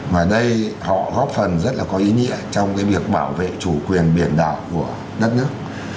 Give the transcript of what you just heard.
mà đây họ góp phần rất là có ý nghĩa trong cái việc bảo vệ chủ quyền biển đảo của đất nước